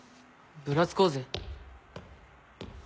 ぶらつこうぜ。